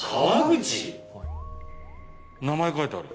名前書いてある。